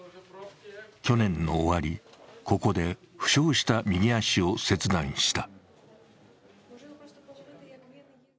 去年の終わり、ここで負傷した右足を切断した。